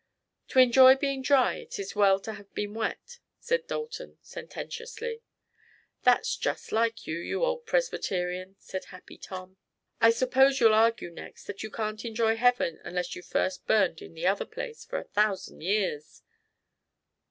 "To enjoy being dry it is well to have been wet," said Dalton sententiously. "That's just like you, you old Presbyterian," said Happy Tom. "I suppose you'll argue next that you can't enjoy Heaven unless you've first burned in the other place for a thousand years."